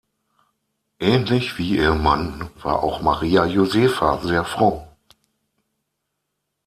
Ähnlich wie ihr Mann war auch Maria Josepha sehr fromm.